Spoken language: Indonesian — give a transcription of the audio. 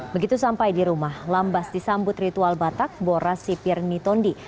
begitu sampai di rumah lambas disambut ritual batak boras sipir mitondi